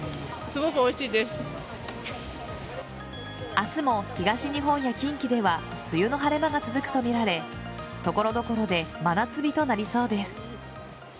明日も、東日本や近畿では梅雨の晴れ間が続くとみられ所々で真夏日となりそうです。